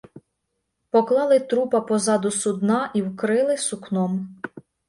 Поклали трупа позаду судна і вкрили сукном.